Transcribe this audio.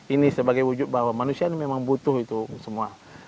ini sebagai wujud bahwa manusia ini memang butuh itu semua